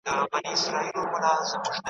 له ټوټو بشپړ بلوړ کله جوړیږي .